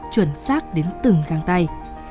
chuẩn xác đến từng găng tay